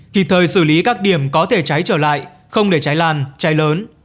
kịp thời xử lý các điểm có thể cháy trở lại không để cháy lan cháy lớn